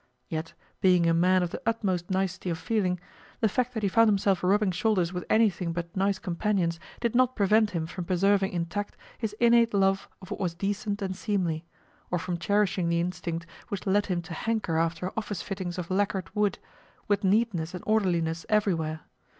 Yet, being a man of the utmost nicety of feeling, the fact that he found himself rubbing shoulders with anything but nice companions did not prevent him from preserving intact his innate love of what was decent and seemly, or from cherishing the instinct which led him to hanker after office fittings of lacquered wood, with neatness and orderliness everywhere.